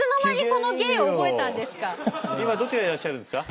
今どちらにいらっしゃるんですか？